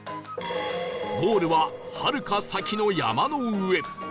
ゴールははるか先の山の上